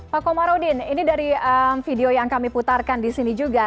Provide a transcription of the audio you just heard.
pak komarudin ini dari video yang kami putarkan di sini juga